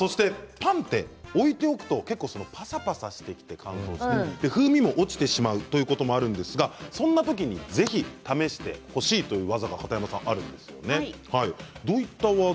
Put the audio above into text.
パンは置いておくとぱさぱさして風味も落ちてしまうということもあるんですがそんな時に、ぜひ試してほしいという技があるんですね。